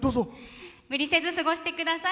無理せず過ごしてください。